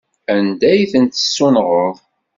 Anda ay tent-tessunɣeḍ?